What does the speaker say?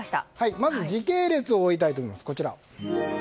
まず時系列を追いたいと思います。